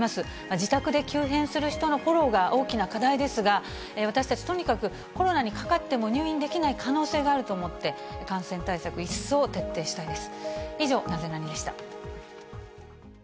自宅で急変する人のフォローが大きな課題ですが、私たち、とにかくコロナにかかっても入院できない可能性があると思って、感染対策、一層徹底したいです。